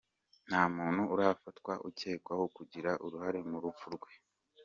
Nta muntu urafatwa ucyekwaho kugira uruhare mu rupfu rwe.